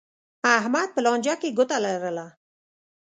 احمد په لانجه کې ګوته لرله.